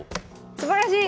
すばらしい！